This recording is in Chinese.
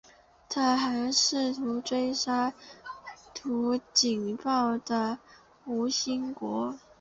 他还试图追杀试图报警的吴新国。